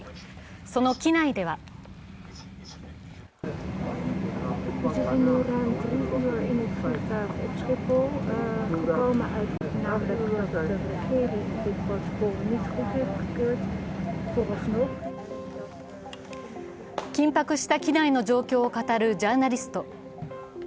その機内では緊迫した機内の状況を語るジャーナリスト。